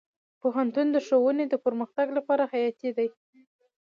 پوهنتون د ښوونې د پرمختګ لپاره حیاتي دی.